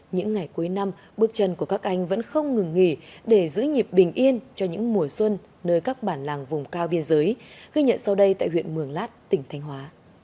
những ngày cuối năm bước chân của các anh vẫn không ngừng nghỉ để giữ nhịp bình yên cho những mùa xuân nơi các bản làng vùng cao biên giới ghi nhận sau đây tại huyện mường lát tỉnh thanh hóa